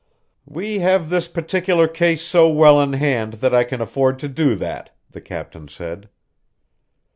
"We have this particular case so well in hand that I can afford to do that," the captain said.